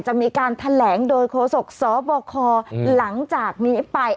จะมีการแถลงโดยโฆษกสบคหลังจากนี้ไป